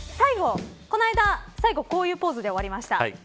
この間、最後こういうポーズで終わりました。